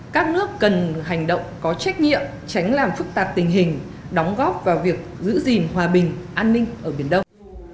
các nước cần hành động có trách nhiệm tránh làm phức tạp tình hình đóng góp vào việc giữ gìn hòa bình an ninh ở biển đông